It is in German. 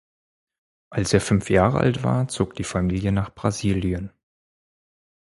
Als er fünf Jahre alt war, zog die Familie nach Brasilien.